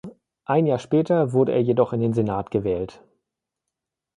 Ein Jahr später wurde er jedoch in den Senat gewählt.